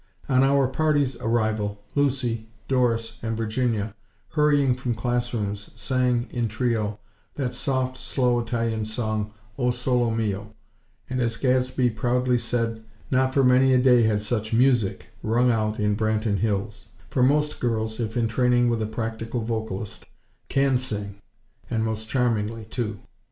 On our party's arrival, Lucy, Doris and Virginia, hurrying from classrooms, sang, in trio, that soft, slow Italian song, "O Solo Mio;" and, as Gadsby proudly said, "Not for many a day had such music rung out in Branton Hills;" for most girls, if in training with a practical vocalist, can sing; and most charmingly, too.